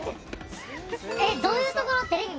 どういうところ？